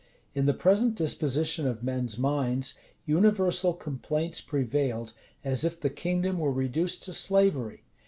In the present disposition of men's minds, universal complaints prevailed, as if the kingdom were reduced to slavery.